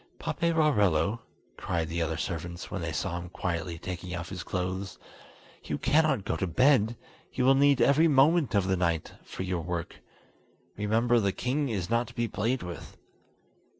"Paperarello," cried the other servants, when they saw him quietly taking off his clothes, "you cannot go to bed; you will need every moment of the night for your work. Remember, the king is not to be played with!"